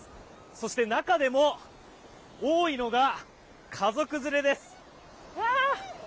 そして中でも多いのが家族連れです。